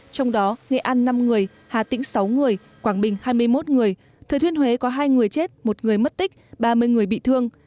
trong đó nghệ an năm người hà tĩnh sáu người quảng bình hai mươi một người thừa thiên huế có hai người chết một người mất tích ba mươi người bị thương